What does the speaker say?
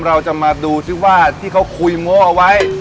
เราจะมาดูซิว่าที่เขาคุยโง่เอาไว้